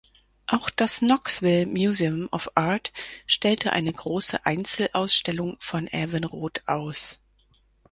Auch das Knoxville Museum of Art stellte eine große Einzelausstellung von Evan Roth aus.